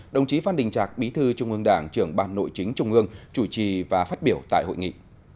đồng chí phan đình trạc bí thư trung ương đảng trưởng ban nội chính trung ương chủ trì và phát biểu tại hội nghị